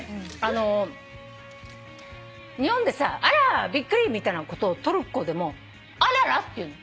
日本で「あらびっくり」みたいなことをトルコでも「アララ」って言うの。